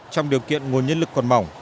trong điều kiện nguồn nhân lực còn mỏng